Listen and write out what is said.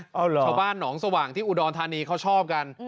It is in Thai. ชาวบ้านหนองสว่างที่อุดอนทานีเขาชอบกัน